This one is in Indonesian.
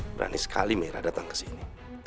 berani sekali merah datang kesini